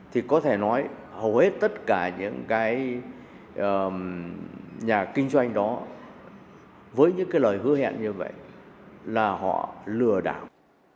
thì có thể nói hầu hết tất cả những cái nhà kinh doanh đó với những cái lời hứa hẹn như vậy là họ lừa đảo